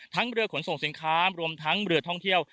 เรือขนส่งสินค้ารวมทั้งเรือท่องเที่ยว